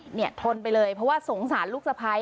ทนไปเลยเพราะว่าสงสารลูกสะพ้าย